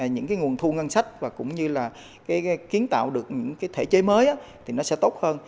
những cái nguồn thu ngân sách và cũng như là kiến tạo được những cái thể chế mới thì nó sẽ tốt hơn